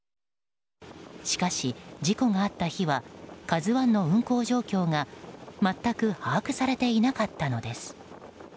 しかし、事故があった日は「ＫＡＺＵ１」の運航状況が全く把握されていなかったのです。